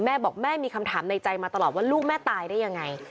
แม่บอกแม่มีคำถามในใจมาตลอดว่าลูกแม่ตายได้ยังไง